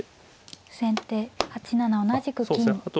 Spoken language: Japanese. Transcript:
先手８七同じく金。